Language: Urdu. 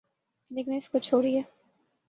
لیکن اس کو چھوڑئیے۔